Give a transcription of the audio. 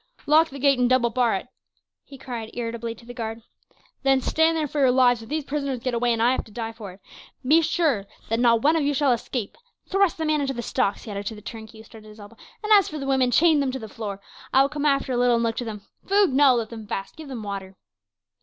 "Lock the gate and double bar it," he cried irritably to the guard. "Then stand there for your lives; if these prisoners get away, and I have to die for it, be sure that not one of you shall escape. Thrust the man into the stocks," he added to the turnkey, who stood at his elbow; "as for the women, chain them to the floor. I will come after a little and look to them. Food? No; let them fast. Give them water."